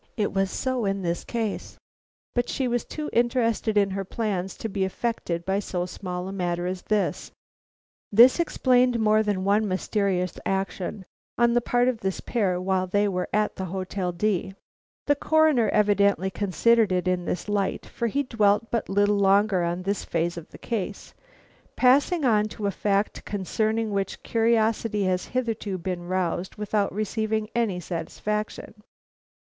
It was so in this case; but she was too interested in her plans to be affected by so small a matter as this." This explained more than one mysterious action on the part of this pair while they were at the Hotel D . The Coroner evidently considered it in this light, for he dwelt but little longer on this phase of the case, passing at once to a fact concerning which curiosity had hitherto been roused without receiving any satisfaction.